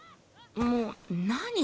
もう何？